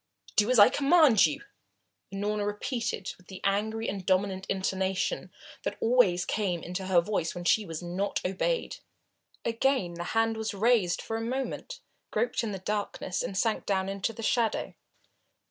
"Do as I command you," Unorna repeated with the angry and dominant intonation that always came into her voice when she was not obeyed. Again the hand was raised for a moment, groped in the darkness and sank down into the shadow.